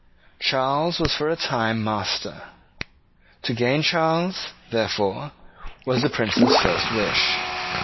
Charles was for a time master. To gain Charles, therefore, was the Prince's first wish.